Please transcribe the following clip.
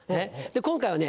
今回はね